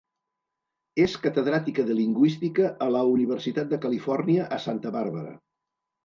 És catedràtica de lingüística a la Universitat de Califòrnia a Santa Bàrbara.